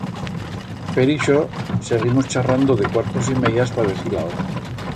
Per ixo seguimos charrando de cuartos y meyas pa decir la hora.